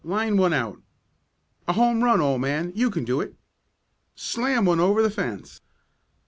Line one out!" "A home run, old man! You can do it!" "Slam one over the fence!"